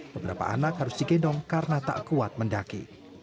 beberapa anak harus digendong karena tak kuat mendaki